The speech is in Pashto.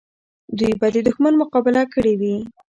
دوی به د دښمن مقابله کړې وي.